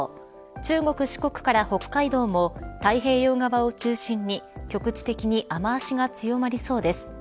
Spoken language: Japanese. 中国、四国から北海道も太平洋側を中心に局地的に雨脚が強まりそうです。